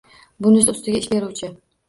Buning ustiga, ish beruvchi-